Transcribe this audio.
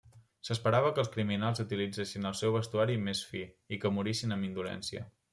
S'esperava que els criminals utilitzessin el seu vestuari més fi i que morissin amb indolència.